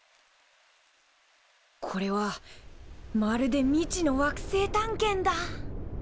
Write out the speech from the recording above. これはまるで未知の惑星探検だ。